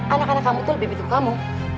anak anak kamu itu lebih butuh kamu